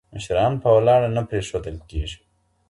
مشران په ولاړه نه پریښودل کېږي.